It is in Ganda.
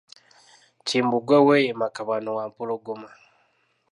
Kimbugwe we ye Makabano wa Mpologoma.